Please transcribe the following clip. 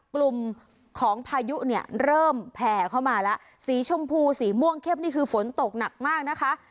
กลุ่มของพายุเนี่ยเริ่มแผ่เข้ามาแล้วสีชมพูสีม่วงเข้มนี่คือฝนตกหนักมากนะคะ